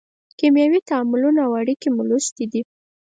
کیمیاوي تعاملونه او اړیکې مو لوستې دي.